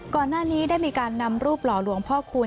ก่อนหน้านี้ได้มีการนำรูปหล่อหลวงพ่อคูณ